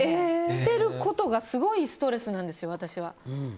捨てることがすごいストレスなんですよ、私は。